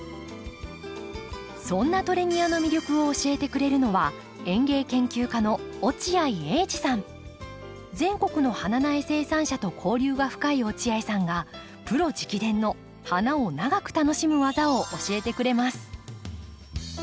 そんなトレニアの魅力を教えてくれるのは全国の花苗生産者と交流が深い落合さんがプロ直伝の花を長く楽しむ技を教えてくれます。